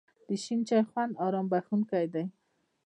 د شین چای خوند آرام بښونکی دی.